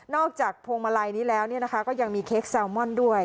จากพวงมาลัยนี้แล้วก็ยังมีเค้กแซลมอนด้วย